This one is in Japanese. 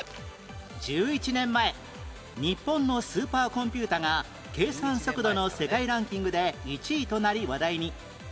１１年前日本のスーパーコンピュータが計算速度の世界ランキングで１位となり話題に